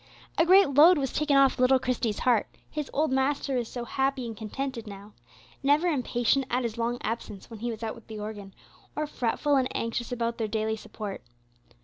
A great load was taken off little Christie's heart, his old master was so happy and contented now; never impatient at his long absence when he was out with the organ, or fretful and anxious about their daily support.